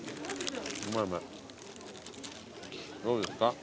どうですか？